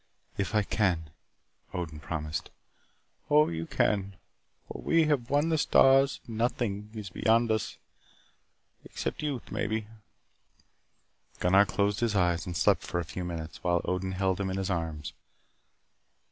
"If I can," Odin promised. "Oh, you can. For we have won the stars and nothing is beyond us except youth, maybe." Gunnar closed his eyes and slept for a few minutes while Odin held him in his arms.